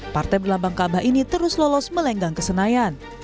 partai berlambang kabah ini terus lolos melenggang kesenaian